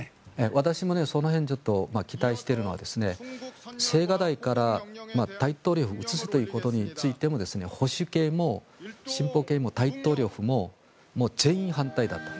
私もその辺期待しているのは青瓦台から大統領を移すということについても保守系も進歩系も大統領府も全員反対だと。